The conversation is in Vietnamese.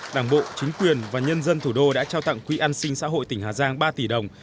đảng bộ chính quyền và nhân dân thủ đô đã trao tặng quỹ an sinh xã hội tỉnh hà giang ba tỷ đồng